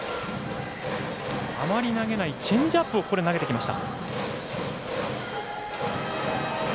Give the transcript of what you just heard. あまり投げないチェンジアップをここで投げてきました。